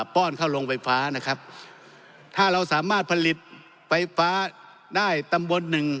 ป้อนเข้าโรงไฟฟ้านะครับถ้าเราสามารถผลิตไฟฟ้าได้ตำบลหนึ่ง